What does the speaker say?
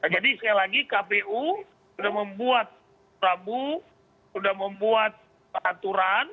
sekali lagi kpu sudah membuat rabu sudah membuat peraturan